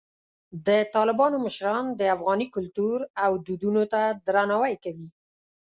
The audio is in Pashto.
د طالبانو مشران د افغاني کلتور او دودونو ته درناوی کوي.